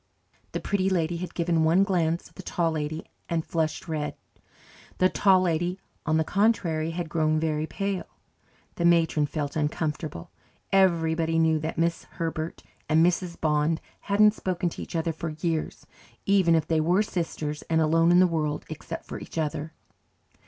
The Pretty Lady had given one glance at the Tall Lady and flushed red. The Tall Lady, on the contrary, had grown very pale. The matron felt uncomfortable. Everybody knew that Miss Herbert and Mrs. Bond hadn't spoken to each other for years, even if they were sisters and alone in the world except for each other.